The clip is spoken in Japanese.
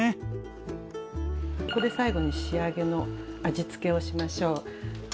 ここで最後の仕上げの味付けをしましょう。